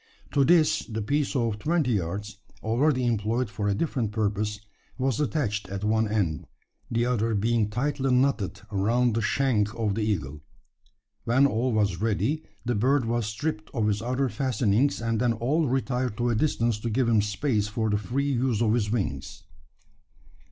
To this the piece of twenty yards already employed for a different purpose was attached at one end the other being tightly knotted around the shank of the eagle. When all was ready, the bird was stripped of his other fastenings; and then all retired to a distance to give him space for the free use of his wings.